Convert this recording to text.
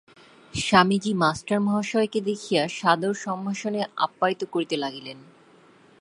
Swamiji master মহাশয়কে দেখিয়া সাদর সম্ভাষণে আপ্যায়িত করিতে লাগিলেন।